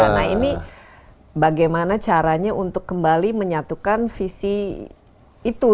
nah ini bagaimana caranya untuk kembali menyatukan visi itu